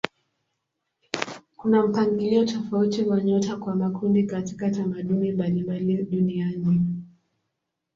Kuna mpangilio tofauti wa nyota kwa makundi katika tamaduni mbalimbali duniani.